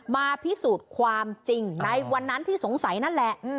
มาพิสูจน์ความจริงในวันนั้นที่สงสัยนั่นแหละ